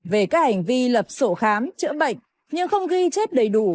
về các hành vi lập sổ khám chữa bệnh nhưng không ghi chép đầy đủ